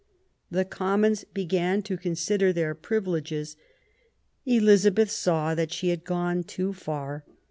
The Commons began to consider their privileges. Elizabeth saw that she had gone too far.